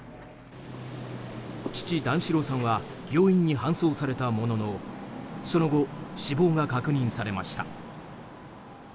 父・段四郎さんは病院に搬送されたもののその後、死亡が確認されました。